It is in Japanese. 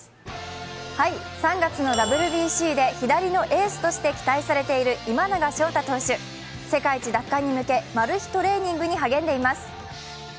３月のＷＢＣで左のエースとして期待されている今永昇太投手、世界一奪還に向け、マル秘トレーニングに励んでいます。